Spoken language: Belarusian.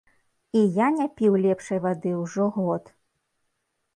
І я не піў лепшай вады ўжо год.